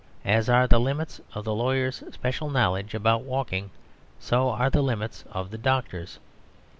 As are the limits of the lawyer's special knowledge about walking, so are the limits of the doctor's.